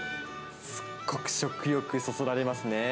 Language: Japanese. すっごく食欲そそられますね。